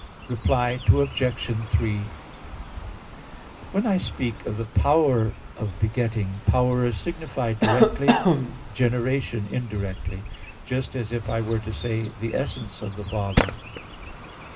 Reply Obj. 3: When I speak of the "power of begetting," power is signified directly, generation indirectly: just as if I were to say, the "essence of the Father."